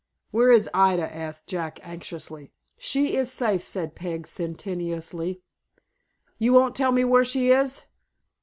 "Where is Ida?" asked Jack, anxiously. "She is safe," said Peg, sententiously. "You won't tell me where she is?"